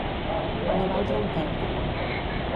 No valdre un pet.